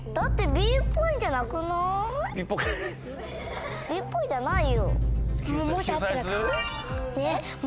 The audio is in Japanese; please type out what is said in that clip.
Ｂっぽいじゃないよ。